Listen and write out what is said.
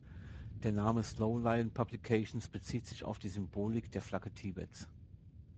Der Name Snow Lion Publications bezieht sich auf die Symbolik der Flagge Tibets.